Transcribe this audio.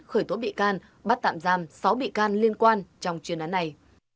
khởi tố bị can bắt tạm giam sáu bị can liên quan trong chuyên án này